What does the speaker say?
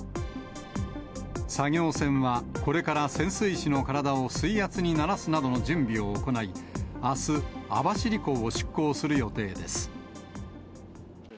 作業船はこれから潜水士の体を水圧に慣らすなどの準備を行い、あす、網走港を出港する予定です。